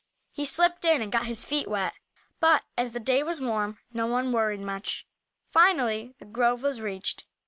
He slipped in and got his feet wet, but as the day was warm no one worried much. Finally the grove was reached.